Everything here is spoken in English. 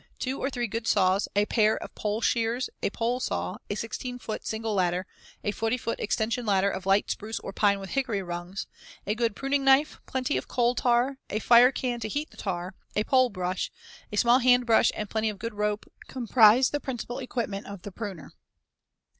Two or three good saws, a pair of pole shears, a pole saw, a 16 foot single ladder, a 40 foot extension ladder of light spruce or pine with hickory rungs, a good pruning knife, plenty of coal tar, a fire can to heat the tar, a pole brush, a small hand brush and plenty of good rope comprise the principal equipment of the pruner.